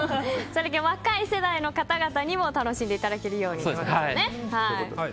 若い世代の方々にも楽しんでいただけるようにということですね。